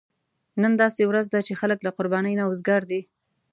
نن داسې ورځ ده چې خلک له قربانۍ نه وزګار دي.